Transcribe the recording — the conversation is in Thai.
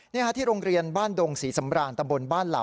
นี่ค่ะที่โรงเรียนบ้านดงศรีสำรานตำบลบ้านเหล่า